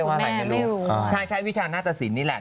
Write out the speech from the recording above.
สมัยนี้เขาเรียกวิชานาศสินนี่แหละ